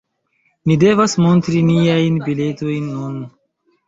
Ni devas montri niajn biletojn nun.